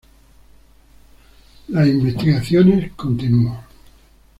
Las investigaciones continúan.